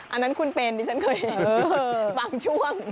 อันนั้นคุณเป็นที่ฉันเคยบางช่วง